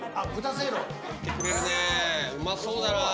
うまそうだな。